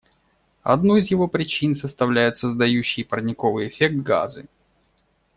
Одну из его причин составляют создающие парниковый эффект газы.